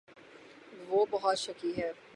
وہ بہت شکی ہے